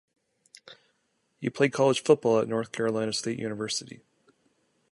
He played college football at North Carolina State University.